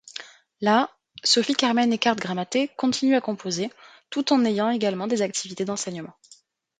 Là, Sophie-Carmen Eckhardt-Gramatté continue à composer, tout en ayant également des activités d'enseignement.